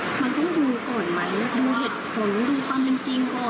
เขามาดูปัญหาแม่ครัวว่าเลวกินนั่นเด็กมันต้องดูก่อนมั้ยดูเหตุผลดูความเป็นจริงก่อน